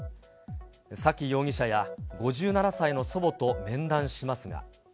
沙喜容疑者や５７歳の祖母と面談しますが。